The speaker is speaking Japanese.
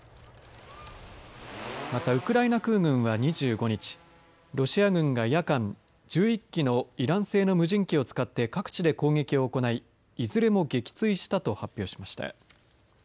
また、ウクライナ空軍は２５日ロシア軍が夜間１１機のイラン製の無人機を使って各地で攻撃を行いいずれも撃墜したと発表しました。